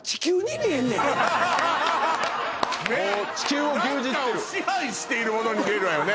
何かを支配しているものに見えるわよね